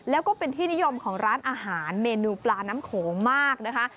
แล้วก็เป็นที่นิยมของร้านอาหารเมนูปลาน้ำโขงมากนะคะ